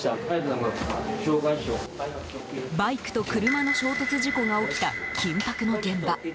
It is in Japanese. バイクと車の衝突事故が起きた緊迫の現場。